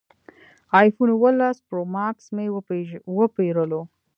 ایفون اوولس پرو ماکس مې وپېرلو